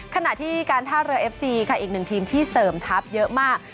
ขณะที่การท่าเรือเอฟซีค่ะอีกหนึ่งทีมที่เสริมทัพเยอะมาก